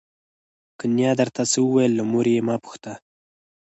که نیا درته څه وویل له مور یې مه پوښته.